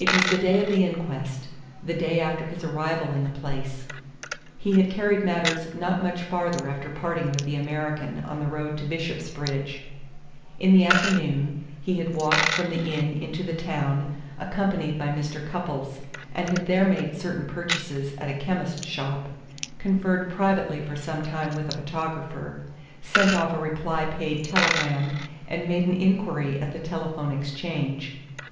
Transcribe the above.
It was the day of the inquest, the day after his arrival in the place. He had carried matters not much farther after parting with the American on the road to Bishopsbridge. In the afternoon he had walked from the inn into the town, accompanied by Mr. Cupples, and had there made certain purchases at a chemist's shop, conferred privately for some time with a photographer, sent off a reply paid telegram, and made an inquiry at the telephone exchange.